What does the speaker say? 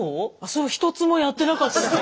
それは一つもやってなかったです。